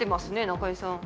中居さん